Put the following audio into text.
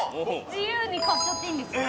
自由に買っちゃっていいんですか？